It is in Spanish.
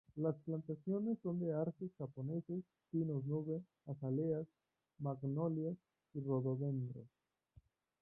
Las plantaciones son de arces japoneses, pinos nube, azaleas, magnolias, y rododendros.